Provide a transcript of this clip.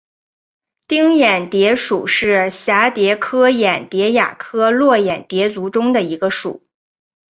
玎眼蝶属是蛱蝶科眼蝶亚科络眼蝶族中的一个属。